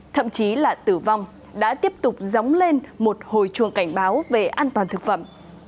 thậm chí là tử vong đã tiếp tục dóng lên một hồi chuồng cảnh báo về an toàn thực phẩm